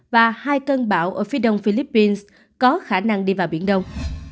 và hai cơn bão ở phía đông philippines có khả năng đi vào biển đông